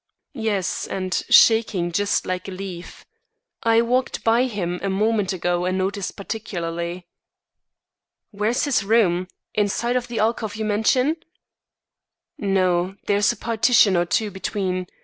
"Yes, and shaking just like a leaf. I walked by him a moment ago and noticed particularly." "Where's his room? In sight of the alcove you mention?" "No; there's a partition or two between.